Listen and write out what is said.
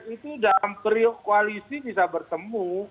itu dalam periuk koalisi bisa bertemu